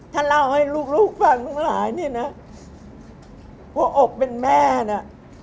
ถ้าเราให้ลูกลูกฝั่งลูกหลายนี่น่ะกลัวอกเป็นแม่น่ะ